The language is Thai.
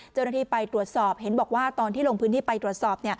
เจ้าหน้าที่ไปตรวจสอบเห็นบอกว่าตอนที่ลงพื้นที่ไปตรวจสอบ